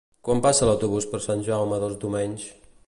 Quan passa l'autobús per Sant Jaume dels Domenys?